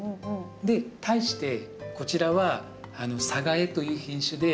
で対してこちらはサガエという品種で。